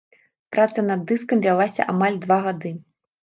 Праца над дыскам вялася амаль два гады.